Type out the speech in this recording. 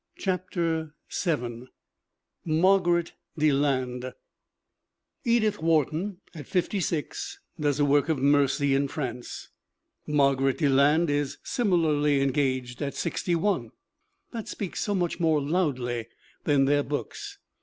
CHAPTER VII MARGARET DELAND EDITH WHARTON, at 56, does a work of mercy in France; Margaret Deland is similarly engaged at 61. That speaks so much more loudly than their books.